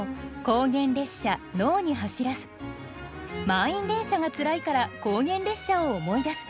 満員電車がつらいから高原列車を思い出す。